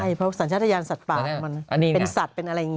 เพราะสัญชาติยานสัตว์ป่ามันเป็นสัตว์เป็นอะไรอย่างนี้